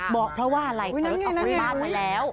บอกเพราะว่าอะไรเคยออกไปบ้านมาแล้ว